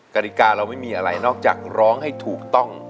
กฎิกาเราไม่มีอะไรนอกจากร้องให้ถูกต้อง